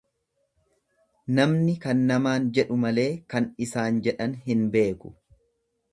Namni kan namaan jedhu malee kan isaan jedhan hin beeku.